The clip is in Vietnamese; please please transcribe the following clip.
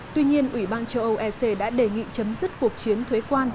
tuy nhiên ủy ban châu âu ec đã đề nghị chấm dứt cuộc chiến thuế quan